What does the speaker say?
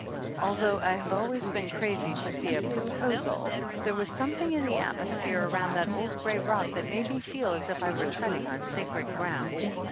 Although I have always been crazy to see a pro posal, there was something in the atmosphere around that old gray rock that made me feel as if I were treading on sacred ground.